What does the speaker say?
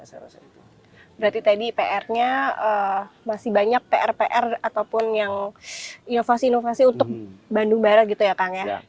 berarti tadi pr nya masih banyak pr pr ataupun yang inovasi inovasi untuk bandung barat gitu ya kang ya